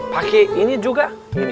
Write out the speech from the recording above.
pakai ini juga